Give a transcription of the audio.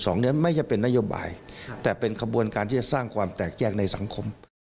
ซึ่ง๑๑๒ไม่ใช่เป็นนโยบายแต่เป็นความสร้างความแตกแยกในสังคม